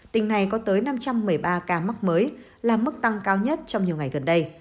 tỉnh này có tới năm trăm một mươi ba ca mắc mới là mức tăng cao nhất trong nhiều ngày gần đây